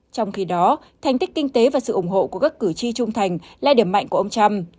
trong khi đó thành tích kinh tế và sự ủng hộ của các cử tri trung thành là điểm mạnh của ông trump